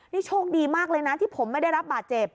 นี่โชคดีมากเลยนะที่ผมไม่ได้รับบาดเจ็บ